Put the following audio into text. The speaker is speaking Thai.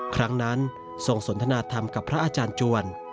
ครั้งนั้นทรงสนทนาธรรมกับพระอาจารย์จวน